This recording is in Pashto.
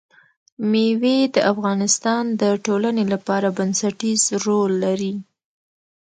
مېوې د افغانستان د ټولنې لپاره بنسټيز رول لري.